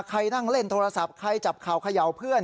ใครนั่งเล่นโทรศัพท์ใครจับเข่าเขย่าเพื่อน